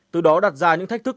từ đó đặt ra những thách thức